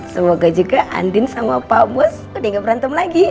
semoga juga andin sama pak buas udah gak berantem lagi